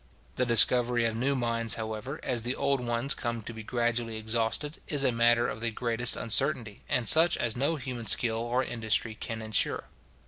The discovery of new mines, however, as the old ones come to be gradually exhausted, is a matter of the greatest uncertainty, and such as no human skill or industry can insure.